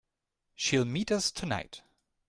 She'll meet us tonight.